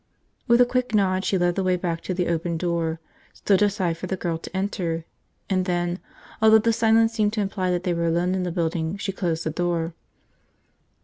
With a quick nod, she led the way back to the open door, stood aside for the girl to enter, and then, although the silence seemed to imply that they were alone in the building, she closed the door.